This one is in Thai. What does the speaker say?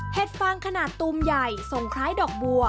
ฟางขนาดตูมใหญ่ทรงคล้ายดอกบัว